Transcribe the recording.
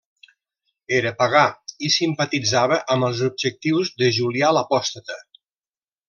Era pagà i simpatitzava amb els objectius de Julià l'Apòstata.